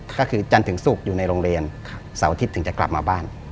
ก็คือจันทร์ถึงศุกร์อยู่ในโรงเรียนเสาร์อาทิตย์ถึงจะกลับมาบ้าน